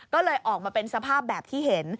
ก็เลยออกมาเป็นสภาพแบบที่เห็น